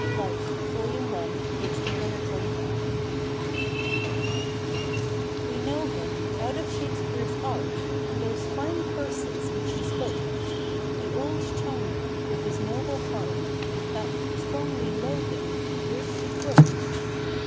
Life, vol. I, p. 245.] We know him, out of Shakespeare's art, And those fine curses which he spoke; The old Timon, with his noble heart, That, strongly loathing, greatly broke.